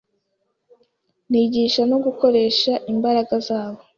Nigisha no gukoresha imbaraga zabo